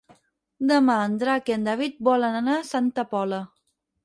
Demà en Drac i en David volen anar a Santa Pola.